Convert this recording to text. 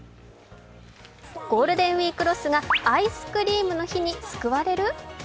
ゴールデンウイークロスがアイスクリームの日に救われる？